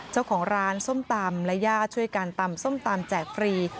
เจ้าของร้านส้มตำและญาติช่วยกันตำส้มตำแจกฟรี